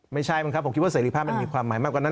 ไม่ใช่บ้างครับผมคิดว่าเสรีภาพมันมีความหมายมากกว่านั้น